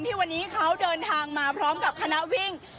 ที่วันนี้เขาเดินทางมาพร้อมกับคณะวิ่ง